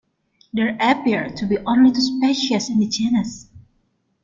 There appear to be only two species in the genus.